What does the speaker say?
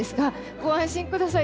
ご安心ください。